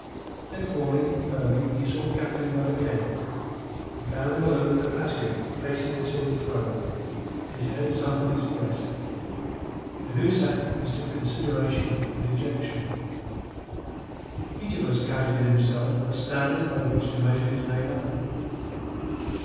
Next morning early he sought Captain Blood again. He found him alone in the patio, pacing to and fro, his head sunk on his breast. Cahusac mistook consideration for dejection. Each of us carries in himself a standard by which to measure his neighbour.